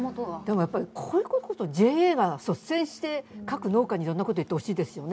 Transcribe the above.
こういうことをＪＡが率先して、各農家に率先していろんなことを言ってほしいですよね。